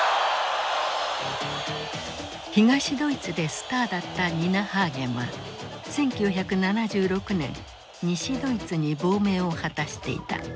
東ドイツでスターだったニナ・ハーゲンは１９７６年西ドイツに亡命を果たしていた。